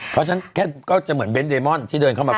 เพราะฉะนั้นแค่ก็จะเหมือนเน้นเดมอนที่เดินเข้ามา